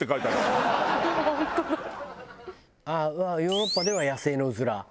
ああ「ヨーロッパでは野生のうずら」。